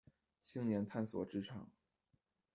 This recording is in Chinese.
青年探索职场